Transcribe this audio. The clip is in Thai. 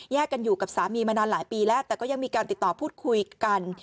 กันอยู่กับสามีมานานหลายปีแล้วแต่ก็ยังมีการติดต่อพูดคุยกัน